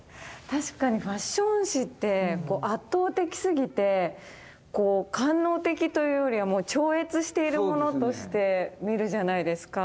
確かにファッション誌って圧倒的すぎて官能的というよりは超越しているものとして見るじゃないですか。